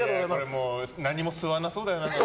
でも何も吸わなそうだよ。